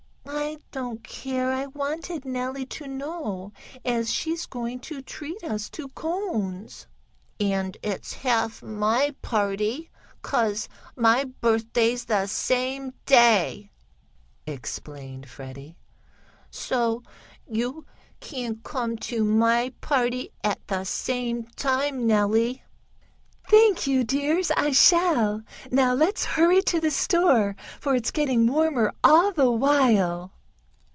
I don't care, I wanted Nellie to know, as she's going to treat us to cones." "And it's half my party, 'cause my birthday's the same day," explained Freddie. "So you can come to my party at the same time, Nellie." "Thank you, dear, I shall. Now let's hurry to the store, for it's getting warmer all the while."